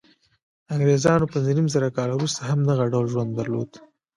انګرېزانو پنځه نیم زره کاله وروسته هم دغه ډول ژوند درلود.